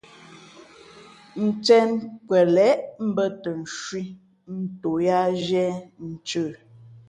Ncēn kwelěʼ mbᾱ tα ncwī nto yāā zhīē ncə.